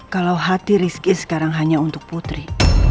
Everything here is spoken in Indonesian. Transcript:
kalau hati rizky sekarang hanya untuk putri